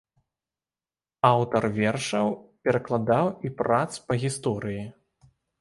Аўтар вершаў, перакладаў і прац па гісторыі.